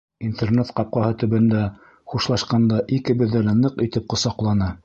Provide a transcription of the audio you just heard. Интернат ҡапҡаһы төбөндә хушлашҡанда икебеҙҙе лә ныҡ итеп ҡосаҡланы.